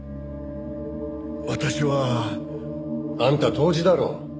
私は。あんた杜氏だろ。